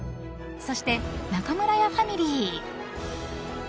［そして中村屋ファミリー］